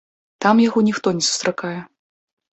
Там яго ніхто не сустракае.